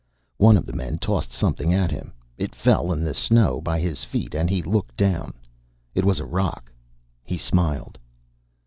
One of the men tossed something at him. It fell in the snow by his feet, and he looked down. It was a rock. He smiled.